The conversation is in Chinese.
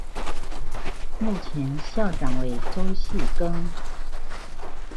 目前校长为周戏庚。